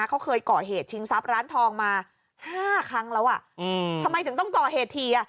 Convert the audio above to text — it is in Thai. เขาเคยก่อเหตุชิงทรัพย์ร้านทองมาห้าครั้งแล้วอ่ะอืมทำไมถึงต้องก่อเหตุทีอ่ะ